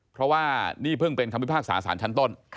เพราะว่านี่เพิ่งเป็นคำพิพากษาสารชั้นต้น